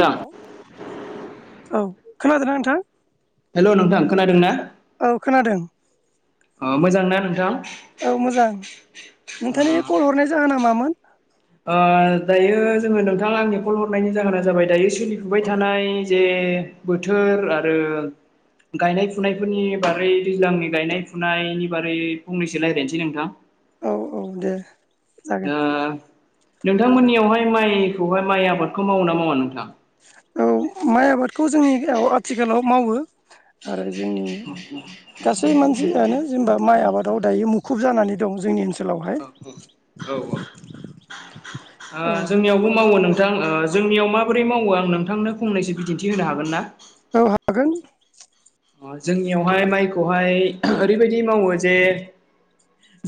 नोंथां हेलौ औ खोनादोंना नोंथां। हेलौ नोंथां खोनादों ना औ खोनादों अ मोजां ना नोंथां। औ मोजां नोंथांनि कल हरनाय जाहोना मामोन? ओ दायो जोङो नोंथाङा आंनि कल हरनायनि जाहोना जाबाय दायो सोलिफुबाय थानाय जे बोथोर आरो गायनाय फुनायफोरनि बागै दैज्लांनि गायनाय फुनायनि बारै फंनैसो रायलायसै नोंथां। [inaudible] औ औ दे। जागोन ओ नोंथांमोननियावहाय माइखौहाय माइ आबादखौ मावो ना मावा नोंथां। औ माइ आबादखौ जोंनिआव आथिखालाव मावो। आरो जोंनि गासै मानसियानो जेनेबा माइ आबादाव दायो मुख खुब जानानै दं जोंनि ओनसोलाव औ औ औ औ ओ औ जोंनियावबो मावो नोंथां। ओ जोंनियाव माबोरै मावो आं नोंथांनो फंनैसो बिदिन्थि होनो हागोन ना। औ हागोन। ओ जोंनियावहाय माइखौहाय ओरैबायदि मावो जे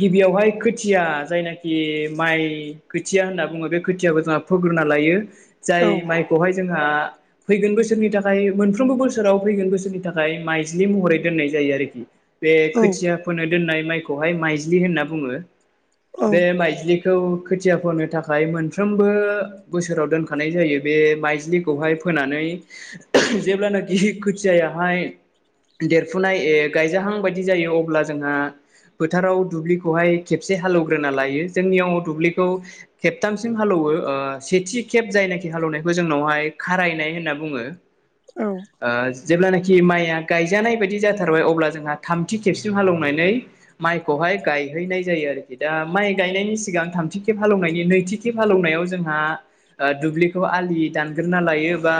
गिबियावहाय खोथिया जायनाखि माइ खोथिया होनना बुङो बे खोथियाखौ जोंहा फुग्रोना लायो। जाय औ माइखौहाय जोंहा फैगोन बोसोरनि थाखाय मोनफ्रोमबो बोसोराव फैगोन बोसोरनि थाखाय माइज्लि महरै दोननाय जायो आरोखि बे औ खोथिया फोनायनि दोननाय माइखौहाय माइज्लि होनना बुङो औ बे माइज्लि खौ खोथिया फोनो थाखाय मोनफ्रोमबो बोसोराव दोनखानाय जायो बे माइज्लिखौहाय फोनानै जेब्लानाखि खोथियायाहाय देरफुनाय गायजाहां बायदि जायो अब्ला जोंहा फोथाराव दुब्लिखौहाय खेबसे हालौवग्रोना लायो जोंनियाव दुब्लिखौ खेबथामसिम हालौव सेथि खेब जायनाखि हालेवनायखौ जोंनावहाय खारायनाय होनना बुङो औ जि माइया गायजानाय बायदि जाथारबाय अब्ला जोंहा थामथि खेबसिम हालौवनानै माइखौहाय ग गायहैनाय जायो आरोखि दा माइ गायनायनि सिगां थामथि खे हालौनायनि नैथि खे हालौवनायाव जोंहा दुब्लिखौ आलि दानग्रोना लायो बा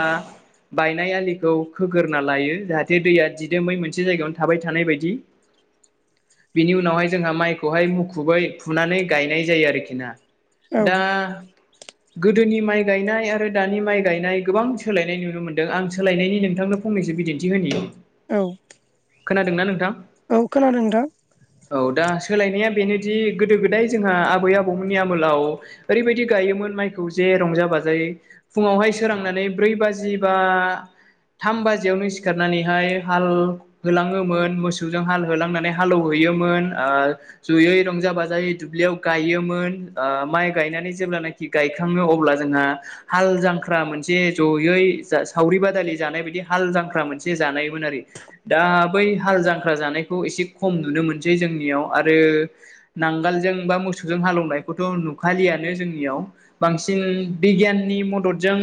बायनाय आलिखौ खोगोरोना लायो जाहाथे दैया दिदोमै मोनसे जायगायावनो थाबाय थानाय बायदि बिनि उनावहाय जोंहा माइखौहाय मुखुबै फुनानै गायनाय जायो आरोखि ना औ दा गोदोनि माइ गायनाय आरो दानि माइ गायनाय गोबां सोलायनाय नुनो मोनदों आं सोलायनायनि नोंथांनो खंनैसो बिदिन्थि होनोयो औ खोनादोंना नोंथां औ खोनादों नोंथां औ दा सोलायनाया बेनोदि गोदो गोदाय जोंहा आबै आबौमोननि आमोलाव ओरैबायदि गायोमोन माइखौ जे रंजाबाय फुावहाय सोरांनानै ब ब बााम सिखारनानैहाय हाल होलाङोमोन मोसौजों हाल होलांनानै हालौहैयोमोन जयै रंजा बाजायै दुब्लियाव गायोमोन माइ गायनानै जेब्लानाखि गायखाङो अब्ला जोंहा हाल जांख्रा मोनसे जयै सावरि बादालि जानाय बायदि हाल जांख्रा मोनसे मोनसे जानायमोन आरो दा बै हाल जांख्रा जानायखौ एसे खम नुनो मोनसै जोंनियाव आरो नांगोलजों बा मोसौजों हालेवनायखौथ' नुखालियानो जोंनियाव बांसिन बिगियाननि मददजों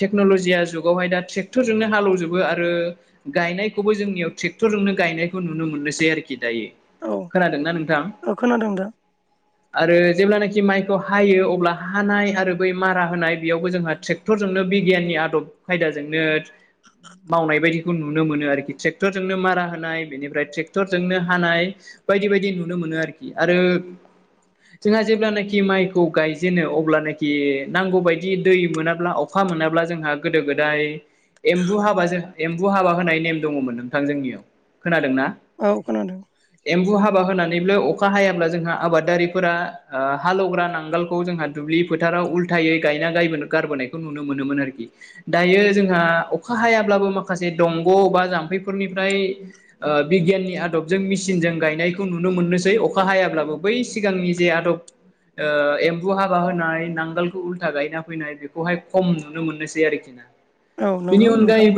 टेक्न'लजिया जुगावहाय दा ट्रेक्टरजोंनो हालौजोबो आरो आरो गायनायखौबो जोंनियाव ट्रेक्टरजोंोंनो गायनायखौ नुनो मोननोसै आरोखि दायो औ खोनादोंना नोंथां औ खोनादों दा आरो जेब्लानाखि माइखौ हायो अब्ला हानाय आरो बै मारा होनाय बेयावबो जोंहा ट्रेक्टरजोंनो बिगियाननि आदब खायदाजोंनो मावनाय बायदिखौ नुनो मोनो आरोखि ट्रेक्टरजोंनो मारा होनाय बेनिफ्राय ट्रेक्टरजोंनो हानाय बायदि बेबायदि नुनो मोनो आरोखि आरो जोंहा जेब्लानाखि माइखौ गायजेनो अब्लानोखि नांगौ बायदि दै मोनाब्ला अखा जों गो ए हाब एम्बु हाबा होनाय नेम दङमोन नोंथां जोंनियाव खोनादों ना औ खोनादों हाबा होनानैबो अखा हायाब्ला जोंहा आबादारिफोरा हालौवग्रा नांगालखौ जोंहा दुब्लि फोथार न द ज माखासे दंग' बा जाफोरनिफ्राय बिगियनि आदबजोंसिनजों गायनाय खौ नुनो मोननोसै अखा हायाब्लाबो बै सिगांनि जे आदब एम्बु हाबा होनाय नांगोलखौ उल्था गायना फैनाय बेखौहाय खम नुनो मोननोसै आरोखि ना औ बिनि नंगौ नोंथांखौ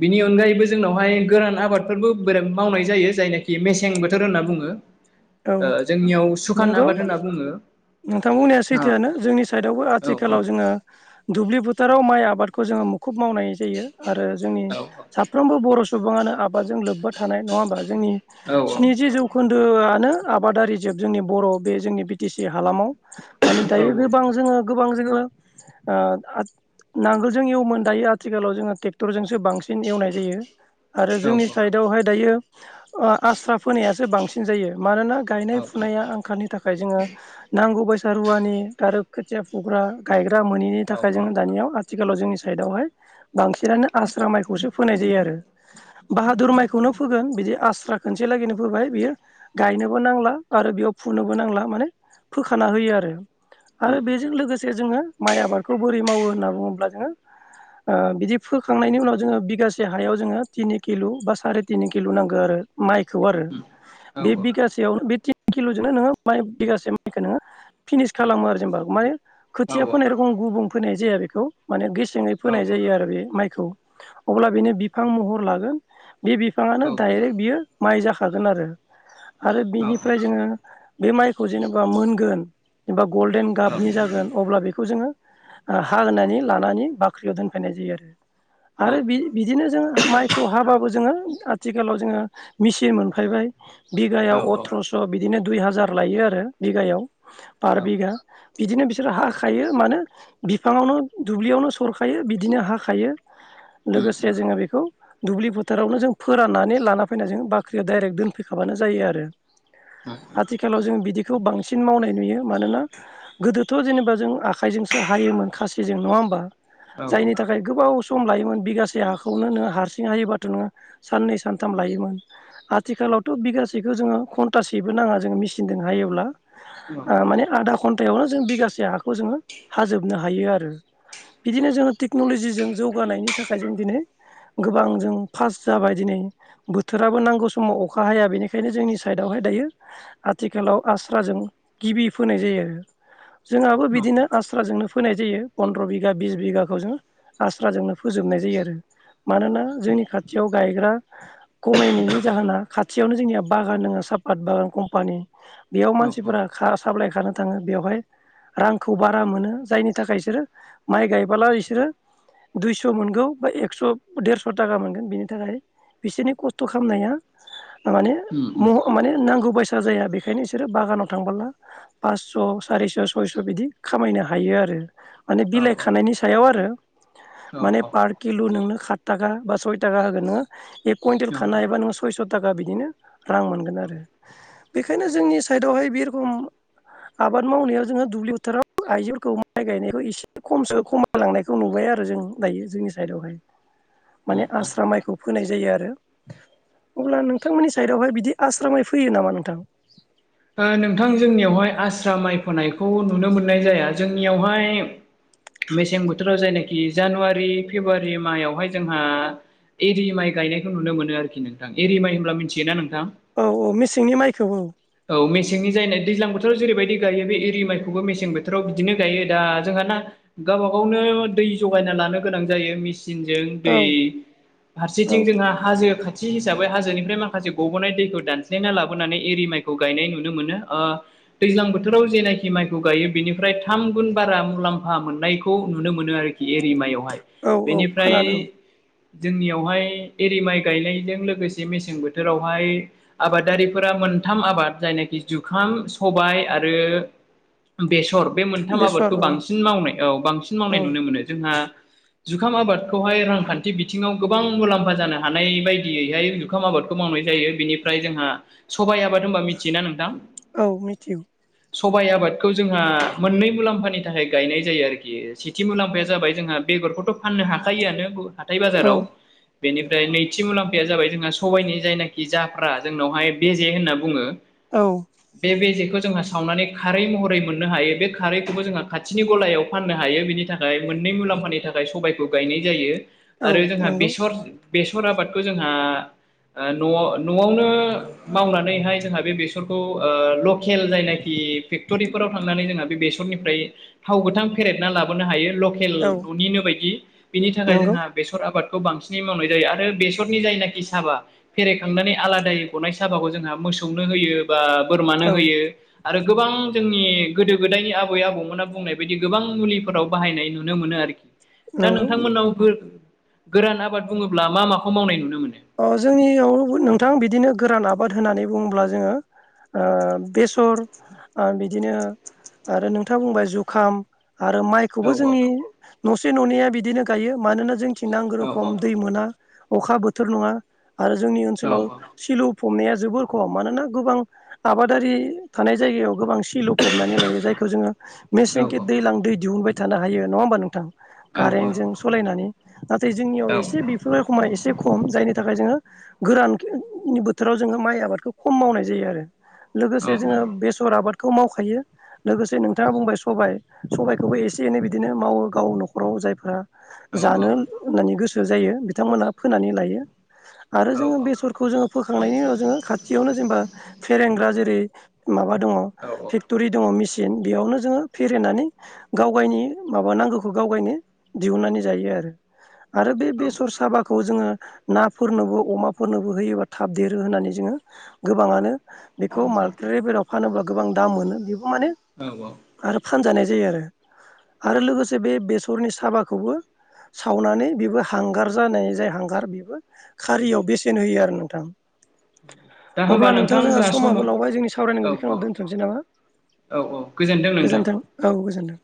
बिनि अनगायैबो जोंनावहाय गोर आबादफोरबो बिराद मावनाय जायो जायनाखि मेसें बोथोर होनना बुङो औ जोंनियाव सुखान आबाद होनना बुङो नोंथांमोननाया औ सैथोआानो जोंनि साइदआवबो औ आथिखालाव जोङो दुब्लि फोथाराव माइ आबादखौ जोङो मुखुब मावनाय जायो आरो जोंनि औ साफ्रोमबो बर' सुबुङानो आबादजों लोब्बा थानाय नङा होमबा जोंनि औ स्निजि जौखोन्दोआनो आबादारि जोब जोंनि बर' बे जोंनि बि टि सि हालामाव माने दायो गोबां जोङो बां साग नांगोलजों एवोमोन दायो आथिखालाव जोङो ट्रेक्टरजोंसो बांसिन एवनाय जायो। आरो औ जोंनि साइडआवहाय दायो ओ आस्रा फोनायासो बांसिन जायो। मानोना गायनाय फुनाया आंखालनि थाखाय जोङो नांगौ बाय सा रुवानि गार खोथिया फुग्रा गायग्रा मोनिनि थाखाय जों दानियाव आथिखालाव जोंनि साइडआवहाय बांसिनानो आस्रा माइखौसो फोनाय जायो आरो बाहादुर माइखौनो फोगोन बिदि आस्रा खनसे लागैनो फैोबाय बियो गायनोबो नांला बा आरो बेयाव फुनोबो नांला माने फोखाना होयो आरो आरो बेजों लोगोसे जोङो माइ आबादखौ बोरै मावो होनना बुङोब्ला जोङो। ओ बिदि फोखांनायनि उनाव जोङो बिगासे हायाव जोङो तिनि किल बा सारि तिनि किल नांगो आरो माइखौ आरो औ बे बिगासेयाव बे थि किल जोंनो नोङो माइ बिगासे माइखो नोङो फिनिस खालामो आरो जेनेबा मा खोथिया फोनाय रखम गुबुं फोननाय जाया बेखौ माने गेसेङै फोनाय जायो आरो बे माइखौ अब्ला बेनो बिफां महर लागोन बे बिफाङानो डाइरेक बियो माइ जाखागोन आरो आरो बिनिफ्राय जोङो बे माइखौ जेनेबा मोनगोन एबा गल्डेन गाबनि जागोन अब्ला बेखौ जोङो आं हाहोनानै लानानै बाख्रियाव दोनफैनाय जायो आरो आरो बि बिदिनो जोङो माइखौ हाबाबो जोङो। आथिखालाव जोङो मेचिन मोनफैबाय बिगायाव अथ्रस बिदिनो दुइ हाजार लायो आरो बिघायाव पार बिगा बिदिनो बिसोरो हाखायो मानो बिफाङावनो दुब्लियावनो सरखायो बिदिनो हाखायो। उम लोगोसे जोङो बेखौ दुब्लि फोथारावनो जों फोराननानै लाना फैनाय जों बाख्रियाव डाइरेक्ट दोनफैखाबानो जायो आरो औ आथिखालाव जों बिदि खौ बांसिन मावनाय नुयो मानोना गोदोथ जेनेबा जों आखाइजोंसो हायोमोन खासिजों नङा होमबा औ उम औ जायनि थाखाय गोबाव सम लायोमोन बिगासे हाखौनो नोङो हारसिं हायोबाथ नोङो साननै सानथाम लायोमोन आथिखालाव बिगासेखो जोङो घन्टासेबो नाङा जों मेचिनजों हायोब्ला औ आं माने आधा थायावनो जों बिगासे हाखौ जोङो हाजोबनो हायो आरो बिदिनो जोङो टेक्नलजिजों जौगानायनि थाखाय जों दिनै गोबां जों फार्स्ट जाबाय दिनै बोथोराबो नांगौ समाव अ खा हाया बेनिखायनो जोंनि साइडआवहाय दायो आथिखालाव आस्राजों गिबि फोनाय जायो आरो [inaudible] जोंहाबो बिदिनो आस्राजोंनो फोनाय जायो फन्द्र बिगा बिस बिगाखौ जोंङो आस्राजोंनो फोजोबनाय जायो आरो मानोना जोंनि खाथियाव गायग्रा खमायनायनि जाहोना खाथियावनो जोंनिया बागान दोङो सापाट बागान कम्पानि बेयाव मानसिफोरा खा साप्लाइ खानो थाङो बेवहाय रांखौ बारा मोनो जायनि थाखाय बिसोरो माइ गायबोला बिसोरो दुइस मोनगौ बा एकस देरस थाखा मोनगोन बिनि थाखाय बिसोरनि खस्थ खामनाया माने उम म उम माने नांगौ बायसा सा जाया बेखायनो बिसोरो बागानाव थांबोला पास' सारिस' सयस' बिदि खामायनो हायो आरो माने औ बिलाइ खानायनि सायाव आरो माने पार किल नोंनो खा थाखा बा सयथाखा होगोन नोङो एक कुइन्टेल खानो हायोबा नोङो सयस' थाखा बिदिनो रां मोनगोन आरो बेखायनो जोंनि साइडावहाय बे रखम आबाद मावनायाव जोङो दुब्लि बोथाराव आइजोफोरखौ माइ गायनायखौ एसे खमसो खमाय लांनायखौ नुबाय आरो जों गायो जोंनि साइदावहाय औ माने औ आस्रा माइखौ फोनाय जायो आरो अब्ला नोंथांमोननि साइडावहाय बिदि आस्रा माइ फैयो नामा नोंथां ओ नोंथां जोंनियावहाय आस्रा माइ फोनायखौ नुनो मोननाय जाया जोंनियावहाय मेसें बोथोराव जायनाखि जानुवारि फेब्रुवारि मायावहाय जोंहा एरि माइ गायनायखौ नुनो मोनो आरोखि नोंथां एरि माइ होनब्ला मिथियोना नोंथां? औ औ मेसेंनि माइखौ औ। औ मेसेंनि जायनाय दैज्लां बोथोराव जेरैबायदि गायो बे एरि माइखौबो मेसें बोथोराव बिदिनो गायो दा जोंहाना गावबा गावनो दै जगायना लानो गोनां जायो मिस सिनजों दै औ औ फारसेथिं जोंहा हाजो खा थि हिसाबै हाजोनिफ्राय माखासे गबनाय दैखौ दानस्लायना लाबोनानै एरि माइ खौ गायनाय नुनोमोनो ओ दैज्लां बोथोराव जेनाखि माइखौ गायो बेनिफ्राय थाम गुन बारा मुला मुलामफा मोननायखौ नुनो मोनो आरोखि एरिमायावहाय औ औ बेनिफ्राय खोनादों जोंनियावहाय एरि माइ गायनायजों लोगोसे मेसें बोथोरावहाय आबादारिफोरा मोन मोनथाम आबाद जायनेखि जुखाम, सबाय आरो बेस सर बे मोनथाम बेसर आबादखौ औ बांसिन मावनाय औ बांसिन मावनाय औ नुनो मोनो जोंहा जुखाम आबादखौहाय रांखान्थि बिथिङाव गोबां मुलाम्फा जानो हानाय बायदियैहाय जुखाम आबादखौ मावनाय जायो बिनिफ्राय जोंहा सबाइ आबाद होमबा मिथियोना नोंथां? औ मिथिगौ। सबायाइ आबादखौ जोंहा मोननै मुलाम्फानि थाखाय गायनाय जायो आरोखि सेथि मुलाम्फाया जाबाय जोंहा बेगरखौथ' फाननो हाखायोआनो हाथाय औ बाजाराव बेनिफ्राय नैथि मुलाम्फाया जाबाय जोंहा सबायाइनि जायनाखि जाफ्रा जोंनावहाय बेजे होनना बुङो औ बे बेजेखो जोंहा सावनानै खारै महरै मोननो हायो बे खारैखौबो जोंहा खाथिनि गलायाव फाननो हायो बेनि थाखाय मोन नै मुलाम्फानि थाखाय सबायखौ गायनाय जायो औ आरो जोंहा नंगौ बेसर बेसर आबादखौ जोंहा ओ न'आव न'आवनो मावनानैहाय जोंहा बे बेसरखौ ओ लकेल जायनाखि फेक्ट'रिफोराव थांनानै जोंहा बे बेसर निफ्राय थाव गोथां फेरेदना लाबोनो हायो। लकेल औ न'निनो बायदि बिनि थाखाय नंगौ जोंहा बेसर आबाद खौ बांसिनोय जायो आरो बेसरनि जायनाखि साबा फेरेदखांनानै आलादायोय गनायसो साबाखौ जोंहा मोसौनो होयो बा बोरमानो औ होयो आरो गोबां जोंनि गोदो गोदायनि आबै आबौमोना बुंनाय बायदि गोबां मुलिफोराव बाहायनाय नुनो मोनो आरोखि। दा नंगौ नोंथांमोननाव गो गोरान आबाद बुङोब्ला मा माखौ मावनाय नुयो? अ जोंनियाव नोंथां बिदिनो गोरान आब आबाद होननानै बुङोब्ला जोङो ओ बेसर ओ बिदिनो आरो नोंथाङा बुंबाय जुखाम आरो औ माइखौबो औ जोंनि न'से न'निया बिदिनो गायो मानोना जोंथि नंगौ औ औ रोखम दै मोना अखा बोथोर नङा आरो जोंनि ओनसोलाव सिलुफ फमनाया जोबोर खम मानोना गोबां आबादारि थानाय जायगायाव गोबां सिलुफबनानै लायो जायखौ जोङो औ मेसेंखि दैलां दै दिहुनबाय थानो हायो नङा होमबा नोंथां। औ कारेन्टजों सालायनानै नाथाय जोंनियाव एसे बेफोरखोमान एसे खम जायनि थाखाय जोङो गोराननि बोथोराव जोङो माइ आबादखौ खम मावनाय जायो आरो। लोगोसे जोङो बेसर आबाद खौ मावखायो लोगोसे नोंथाङा बुंबाय सबाइ सबाइखौबो एसे एनै बिदिनो मावो गाव न'खराव जायफोरा जानो होननानै गोसो जायो बिथांमोनहा फोनानै लायो । आरो औ जोङो बेसरखौ जोङो फोखांनायनि उनाव जोङो खाथियावनो जेनेबा फेरेंग्रा जेरै माबा दङ फेक्ट'रि दङ मिसिन बे बेयावनो जोङो फेरेनानै गाव गायनि माबा नांगौखौ गाव गायनो दिहुननानै जायो आरो रो आरो बे बेसर साबा खौ जोङो नाफोरनोबो अमाफोरनोबो होयोबा थाब देरो होननानै जोङो गोबाङानो बेखौ मालट्रि बेराव फानोब्ला गोबां दाम मोनो बेबो माने औ औ आरो फानजानाय जायो आरो आरो लोगोसे बे बेसर रनि साबाखौबो सावनानै बेबो हांगार जानाय जाय हांगार बेबो खारियाव बेसेन होयो आरो नोंथां। दा होमबा अब्ला नोंथां जोंहा सम समाब औ लावबाय जोंनि औ सावरायनायखौ बेखिनिाव औ दोन्थ'नोसै नामा? औ गोजोनदों नोंथां गोजोनथों औ गोजोनथों।